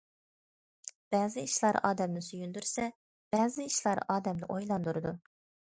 بەزى ئىشلار ئادەمنى سۆيۈندۈرسە، بەزى ئىشلار ئادەمنى ئويلاندۇرىدۇ.